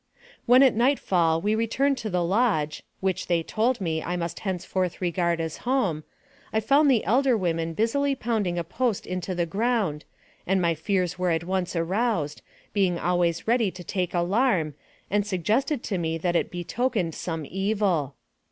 When at nightfall we returned to the lodge, which, they told me, I must henceforth regard as home, I found the elder women busily pounding a post into the ground, and my fears were at once aroused, being always ready to take alarm, and suggested to me that it betokened some evil.